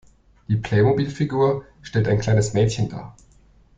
Die Playmobilfigur stellt ein kleines Mädchen dar.